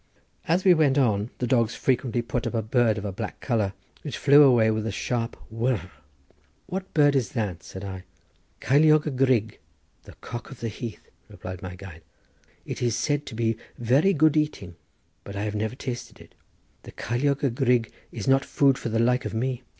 As we went on the dogs frequently put up a bird of a black colour, which flew away with a sharp whirr. "What bird is that?" said I. "Ceiliog y grug, the cock of the heath," replied my guide. "It is said to be very good eating, but I have never tasted it. The ceiliog y grug is not food for the like of me.